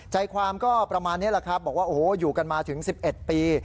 ใจความก็ประมาณนี้แหละครับบอกว่าโอ้โหอยู่กันมาถึง๑๑ปี